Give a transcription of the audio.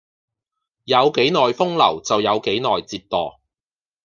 有幾耐風流就有幾耐折墮